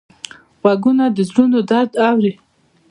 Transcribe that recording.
غوږونه د زړونو درد اوري